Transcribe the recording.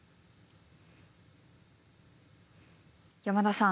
山田さん。